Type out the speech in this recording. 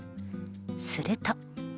すると。